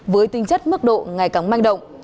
với tinh chất mức độ ngày càng manh động